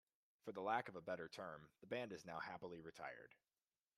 For the lack of a better term, the band is now happily retired.